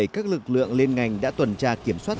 các lực lượng liên ngành đã tuần tra kiểm soát